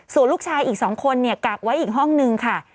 ส่วนลูกชายอีก๒คนเนี่ยกักไว้อีกห้องนึงค่ะ